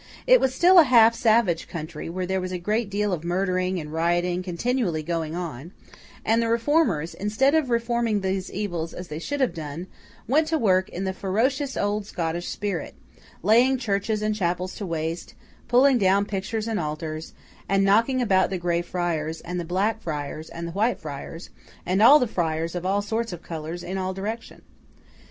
It was still a half savage country, where there was a great deal of murdering and rioting continually going on; and the Reformers, instead of reforming those evils as they should have done, went to work in the ferocious old Scottish spirit, laying churches and chapels waste, pulling down pictures and altars, and knocking about the Grey Friars, and the Black Friars, and the White Friars, and the friars of all sorts of colours, in all directions.